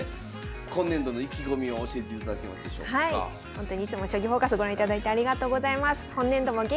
ほんとにいつも「将棋フォーカス」ご覧いただいてありがとうございます。